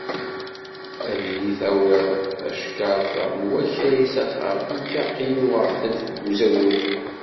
-Ad iyi-tawiḍ tacekkart-inna n wakal s axxam, nekk aql-i uɣeɣ-tent deg uzagur-iw.